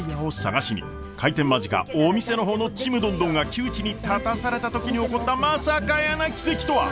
開店間近お店の方のちむどんどんが窮地に立たされた時に起こったまさかやーな奇跡とは？